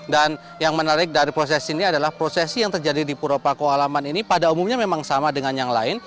dan yang menarik dari proses ini adalah prosesi yang terjadi di puro paku alaman ini pada umumnya memang sama dengan yang lain